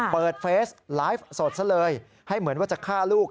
เฟสไลฟ์สดซะเลยให้เหมือนว่าจะฆ่าลูก